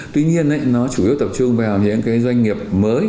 tuy nhiên nó chủ yếu tập trung vào những cái doanh nghiệp mới